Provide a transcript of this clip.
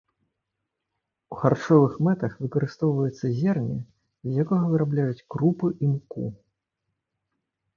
У харчовых мэтах выкарыстоўваецца зерне, з якога вырабляюць крупы і муку.